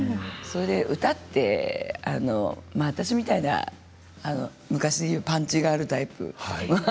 歌って私みたいな昔でいうパンチがあるタイプ